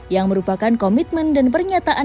yang merupakan komitmen dan pernyataan